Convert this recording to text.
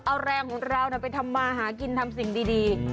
เอาแรงของเราไปทำมาหากินทำสิ่งดี